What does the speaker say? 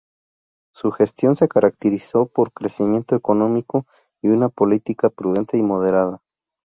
Su gestión se caracterizó por un crecimiento económico y una política prudente y moderada.